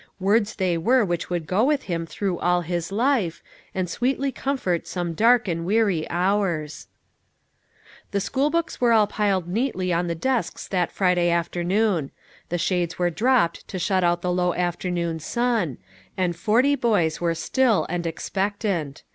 Words they were which would go with him through all his life, and sweetly comfort some dark and weary hours. The school books were all piled neatly on the desks that Friday afternoon; the shades were dropped to shut out the low afternoon sun; and forty boys were still and expectant.